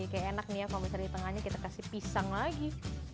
kayak enak nih ya kalau misalnya di tengahnya kita kasih pisang lagi